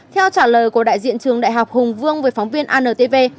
theo trả lời của đại diện trường đại học hùng vương với phóng viên antv